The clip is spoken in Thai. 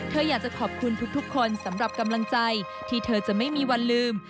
อยากจะขอบคุณทุกคนสำหรับกำลังใจที่เธอจะไม่มีวันลืม